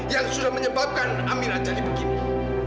yang sudah menyebabkan amila jadi begini